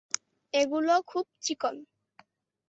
এগুলো খুব চিকন।